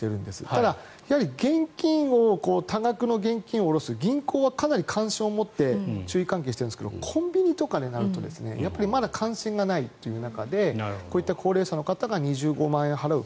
ただ、多額の現金を下ろす銀行はかなり関心を持って注意喚起しているんですがコンビニとかになるとまだ関心がないという中でこういった高齢者の方が２５万円払う。